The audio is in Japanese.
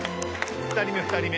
２人目２人目。